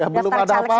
belum ada apa